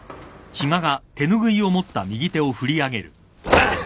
あっ！